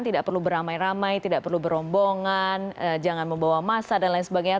tidak perlu beramai ramai tidak perlu berombongan jangan membawa massa dan lain sebagainya